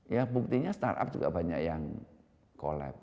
ya buktinya startup juga banyak yang collab